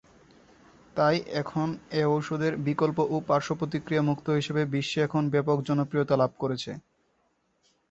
তাই এখন এ ঔষধের বিকল্প ও পার্শ্বপ্রতিক্রিয়া মুক্ত হিসেবে বিশ্বে এখন ব্যাপক জনপ্রিয়তা লাভ করেছে।